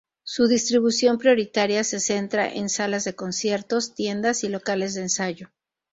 Su distribución prioritaria se centra en salas de conciertos, tiendas y locales de ensayo.